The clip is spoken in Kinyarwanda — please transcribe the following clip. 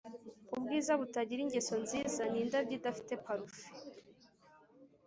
ubwiza butagira ingeso nziza ni indabyo idafite parufe